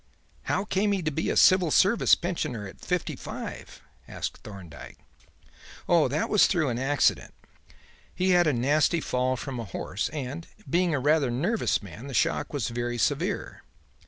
"How came he to be a civil service pensioner at fifty five?" asked Thorndyke. "Oh, that was through an accident. He had a nasty fall from a horse, and, being a rather nervous man, the shock was very severe.